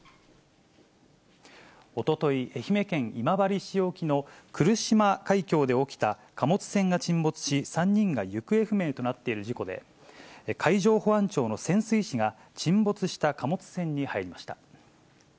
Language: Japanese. おととい、愛媛県今治市沖の来島海峡で起きた貨物船が沈没し、３人が行方不明となっている事故で、海上保安庁の潜水士が沈没した貨物船に入りました。